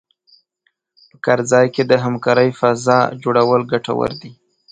په کار ځای کې د همکارۍ فضا جوړول ګټور دي.